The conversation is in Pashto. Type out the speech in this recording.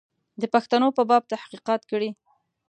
د پښتنو په باب تحقیقات کړي.